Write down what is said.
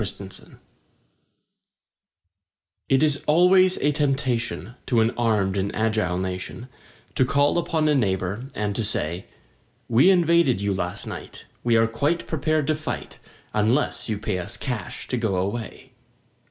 980 1016 IT is always a temptation to an armed and agile nation To call upon a neighbour and to say: "We invaded you last night we are quite prepared to fight, Unless you pay us cash to go away."